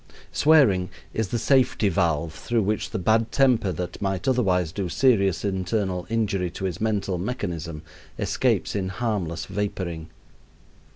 Swearing is the safety valve through which the bad temper that might otherwise do serious internal injury to his mental mechanism escapes in harmless vaporing.